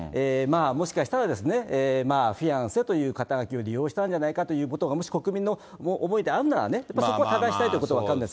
もしかしたら、フィアンセという肩書を利用したんじゃないかということが、もし国民の思いであるならね、やっぱりそこはただしたいというのは分かります。